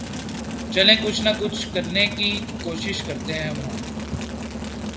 چلیں کچھ نہ کچھ کرنیں کی کیںشش کرتیں ہیں وہاں